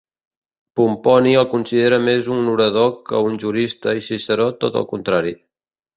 Pomponi el considera més un orador que un jurista i Ciceró tot el contrari.